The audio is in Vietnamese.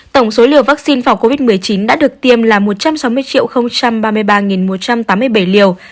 tổng số liều vaccine phòng covid một mươi chín đã được tiêm là một trăm sáu mươi ba mươi ba một trăm tám mươi bảy liều